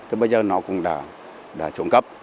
thì bây giờ nó cũng đã xuống cấp